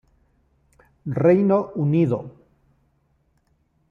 Reino Unido.